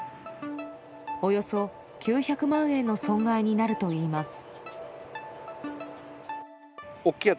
およそ９００万円の損害になるといいます。